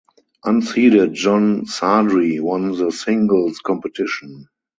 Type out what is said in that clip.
Unseeded John Sadri won the singles competition.